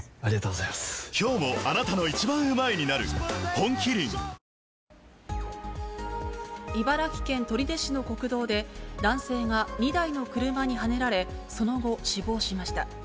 本麒麟茨城県取手市の国道で、男性が２台の車にはねられ、その後、死亡しました。